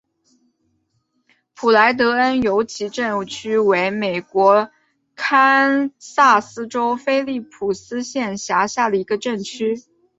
普莱恩维尤镇区为美国堪萨斯州菲利普斯县辖下的镇区。